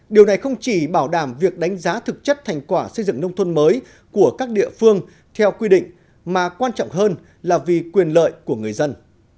điều này không chỉ bảo đảm việc đánh giá thực chất thành quả xây dựng nông thôn mới của các địa phương theo quy định mà quan trọng hơn là vì quyền lợi của người dân